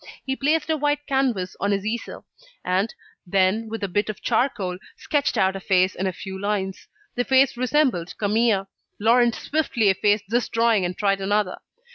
He placed a white canvas on his easel; and, then, with a bit of charcoal, sketched out a face in a few lines. The face resembled Camille. Laurent swiftly effaced this drawing and tried another.